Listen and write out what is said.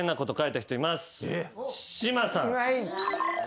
島さん。